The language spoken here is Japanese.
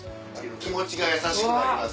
気持ちが優しくなります。